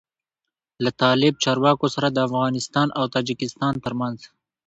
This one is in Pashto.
له طالب چارواکو سره د افغانستان او تاجکستان تر منځ